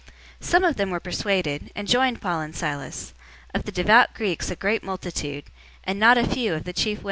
017:004 Some of them were persuaded, and joined Paul and Silas, of the devout Greeks a great multitude, and not a few of the chief women.